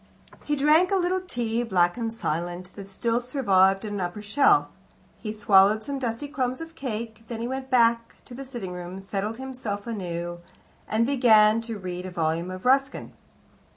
He drank a little tea, black and silent, that still survived upon an upper shelf. He swallowed some dusty crumbs of cake. Then he went back to the sitting room, settled himself anew, and began to read a volume of Ruskin.